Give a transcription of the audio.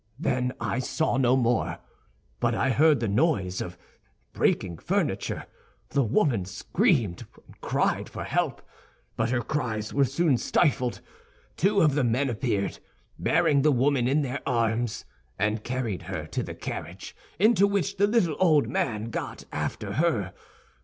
Then I saw no more; but I heard the noise of breaking furniture. The woman screamed, and cried for help; but her cries were soon stifled. Two of the men appeared, bearing the woman in their arms, and carried her to the carriage, into which the little old man got after her.